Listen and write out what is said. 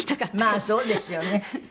まあそうですよね。